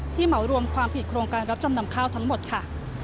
เหมารวมความผิดโครงการรับจำนำข้าวทั้งหมดค่ะ